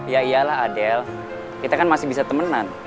ya iyalah adel kita kan masih bisa temenan